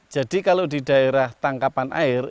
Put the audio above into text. jadi kalau di daerah tangkapan air